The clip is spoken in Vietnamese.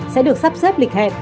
sẽ được sắp xếp lịch hẹp